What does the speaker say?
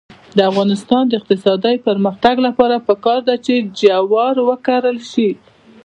د افغانستان د اقتصادي پرمختګ لپاره پکار ده چې جوار وکرل شي.